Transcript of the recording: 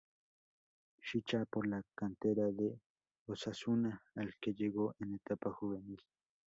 Ficha por la cantera de Osasuna al que llegó en etapa juvenil.